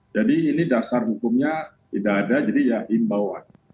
jadi ini dasar hukumnya tidak ada jadi ya dihimbauan